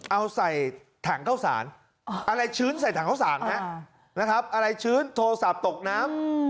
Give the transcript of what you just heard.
เอาใส่ถังเข้าสารอะไรชื้นใส่ถังข้าวสารนะครับอะไรชื้นโทรศัพท์ตกน้ำ